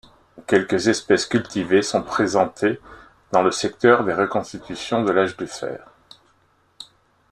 Quelques espèces cultivées sont présentées dans le secteur des reconstitutions de l'âge du fer.